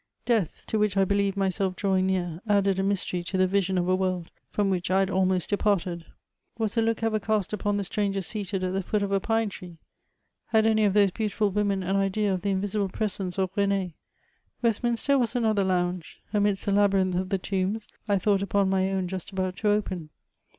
Deaihy to whidb I belicTed myself drawings near, added a mys teiy to the yinon of a world, from which I had almost departed. Was a look ever cast upon the stranger seated at the foot of a pine tree? Had any of those beautiM women an idea of the mvisiUe presence of Bene f Westminster was another lounge : amidst the labyrinth of tile tombs, I thought upon my own just about to open.